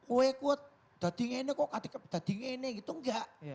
wekot dati ngene kok katika dati ngene gitu enggak